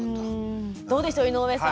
どうでしょう井上さん。